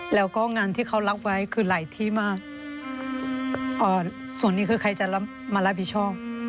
แล้วก็งานที่เขารับไว้คือหลายที่มากส่วนนี้คือใครจะมารับผิดชอบ